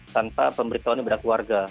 tanpa pemberitahuan dari keluarga